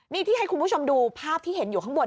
นี่ที่ให้คุณผู้ชมดูภาพที่เห็นอยู่ข้างบน